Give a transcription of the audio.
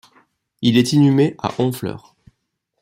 Il est inhumé à Honfleur.